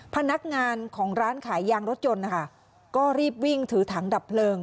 พนักงานของร้านขายยางรถยนต์นะคะก็รีบวิ่งถือถังดับเพลิง